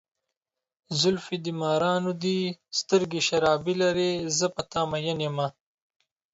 زلفې دې مارانو دي، سترګې شرابي لارې، زه په ته ماين یمه.